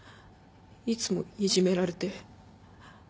いつもいじめられて。